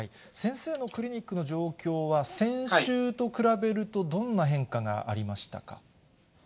先生のクリニックの状況は、先週と比べると、どんな変化がありましたか。